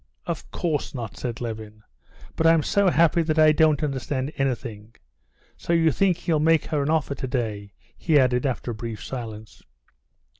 "Of course not," said Levin. "But I'm so happy that I don't understand anything. So you think he'll make her an offer today?" he added after a brief silence.